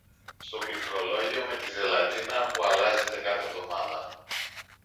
στο πληκτρολόγιο με τη ζελατίνα που αλλάζεται κάθε εβδομάδα